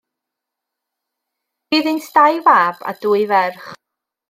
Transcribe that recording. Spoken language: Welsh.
Bu iddynt dau fab a dwy ferch.